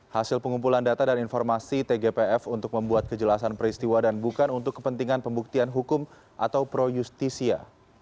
hasil pengumpulan data dan informasi tgpf untuk membuat kejelasan peristiwa dan bukan untuk kepentingan pembuktian hukum atau pro justisia